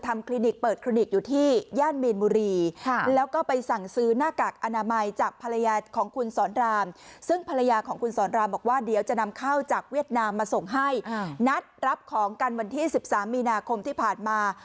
เมื่อมีนาคมที่ผ่านมา